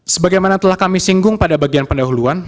sebagaimana telah kami singgung pada bagian pendahuluan